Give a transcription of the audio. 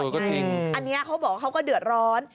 คือก็จริงอันนี้เขาบอกว่าเขาก็เดือดร้อน